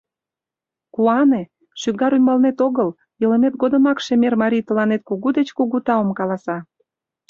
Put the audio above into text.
Куане, шӱгар ӱмбалнет огыл — илымет годымак шемер марий тыланет кугу деч кугу таум каласа».